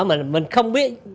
mà mình không biết